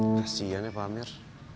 kasian ya pak amir